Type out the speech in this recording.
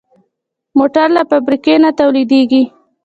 موټر له فابریکې نه تولیدېږي.